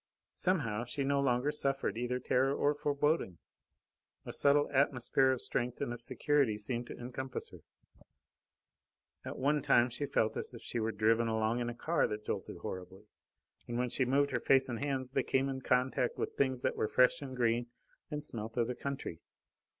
Somehow, she no longer suffered either terror or foreboding. A subtle atmosphere of strength and of security seemed to encompass her. At one time she felt as if she were driven along in a car that jolted horribly, and when she moved her face and hands they came in contact with things that were fresh and green and smelt of the country.